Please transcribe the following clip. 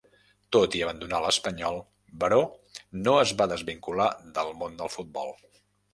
Tot i abandonar l'Espanyol, Baró no es va desvincular del món del futbol.